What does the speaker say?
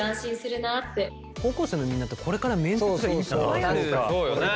高校生のみんなってこれから面接がいっぱいある。